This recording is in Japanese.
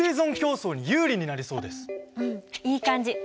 うんいい感じ。